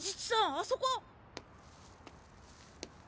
あそこ！